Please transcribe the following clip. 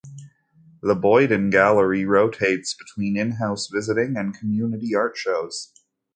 The Boyden Gallery rotates between in-house, visiting, and community art shows.